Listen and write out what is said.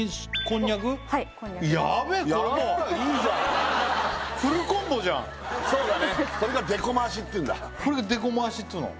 これがでこまわしっていうんだ